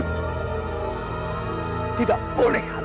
masih lagi rehat